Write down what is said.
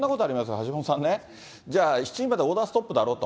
橋下さんね、じゃあ、７時までオーダーストップだろうと。